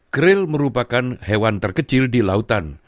kril merupakan hewan terkecil di lautan